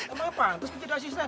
emangnya pantes gue jadi asisten